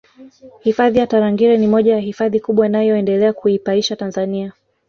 Hifadhi ya Tarangire ni moja ya Hifadhi kubwa inayoendelea kuipaisha Tanzania